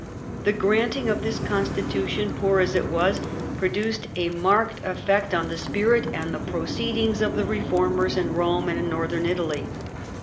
The granting of this Constitu tion, poor as it was, produced a marked effect on the spirit and the proceedings of the reformers in Rome and in Northern Italy.